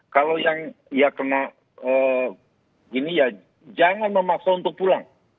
kalau yang ya kena gini ya jangan memaksa untuk pulang